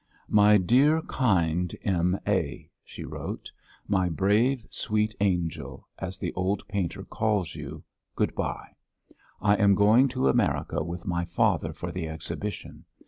"My dear, kind M. A.," she wrote, "my brave, sweet angel, as the old painter calls you, good bye. I am going to America with my father for the exhibition.